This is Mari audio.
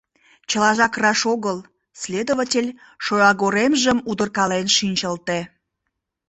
«Чылажак раш огыл», — следователь шоягоремжым удыркален шинчылте.